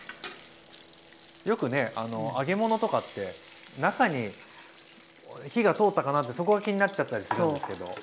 よくね揚げ物とかって中に火が通ったかなってそこが気になっちゃったりするんですけど。